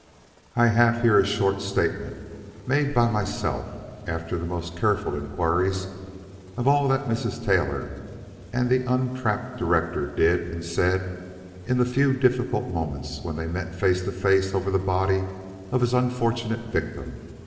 I have here a short statement made by myself, after the most careful inquiries, of all that Mrs. Taylor and the untrapped director did and said in the few difficult moments when they met face to face over the body of his unfortunate victim.